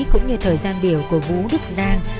cũng như thời gian biểu của vũ đức giang